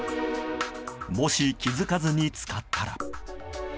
もし、気づかずに使ったら。